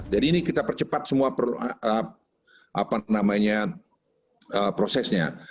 jadi ini kita percepat semua prosesnya